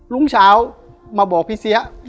รุ่งเช้ามาบอกพี่เสีย